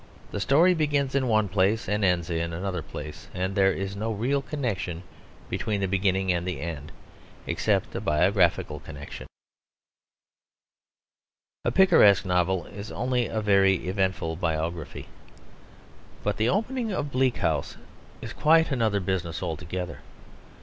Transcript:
The story begins in one place and ends in another place, and there is no real connection between the beginning and the end except a biographical connection. A picaresque novel is only a very eventful biography; but the opening of Bleak House is quite another business altogether.